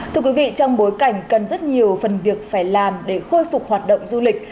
thưa quý vị trong bối cảnh cần rất nhiều phần việc phải làm để khôi phục hoạt động du lịch